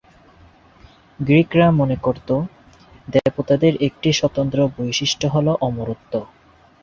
গ্রিকরা মনে করত, দেবতাদের একটি স্বতন্ত্র বৈশিষ্ট্য হল অমরত্ব।